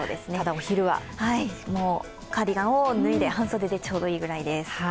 お昼はカーディガンを脱いで半袖でちょうどいいぐらいです。